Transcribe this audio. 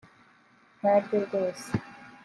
Ntaryo rwose